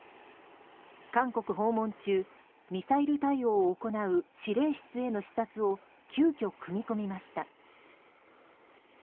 韓国訪問中、ミサイル対応を行う指令室への視察を急きょ、組み込みました。